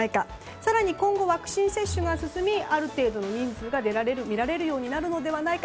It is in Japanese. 更に今後、ワクチン接種が進みある程度の人数が見られるようになるのではないか。